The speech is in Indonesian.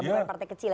bukan partai kecil